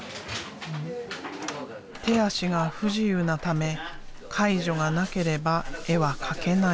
手足が不自由なため介助がなければ絵は描けない。